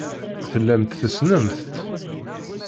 Tellamt tessnemt-tt.